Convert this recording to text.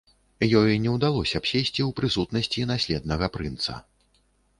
Ёй не ўдалося б сесці ў прысутнасці наследнага прынца.